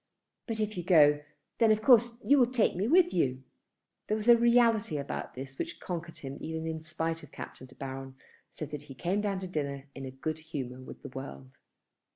But if you go, then of course you will take me with you." There was a reality about this which conquered him, even in spite of Captain De Baron, so that he came down to dinner in good humour with the world.